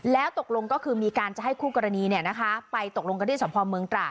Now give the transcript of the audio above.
แล้วตกลงก็คือมีการจะให้คู่กรณีไปตกลงกันที่สมภาพเมืองตราด